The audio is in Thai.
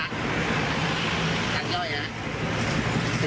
เอาตังค์เราไป